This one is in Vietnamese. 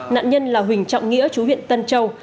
nạn nhân là huỳnh trọng nghĩa chú huyện tân châu